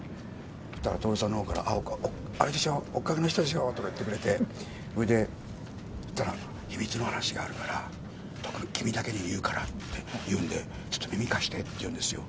そしたら、徹さんのほうからあれでしょ、追っかけの人でしょ？とか言ってくれて、それで、秘密の話があるから、僕、君だけに言うからって言うんで、ちょっと耳貸してって言うんですよ。